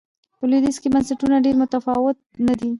په لوېدیځ کې بنسټونه ډېر متفاوت نه و.